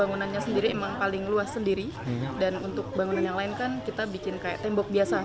ini sendiri memang paling luas sendiri dan untuk bangunan yang lain kan kita bikin kayak tembok biasa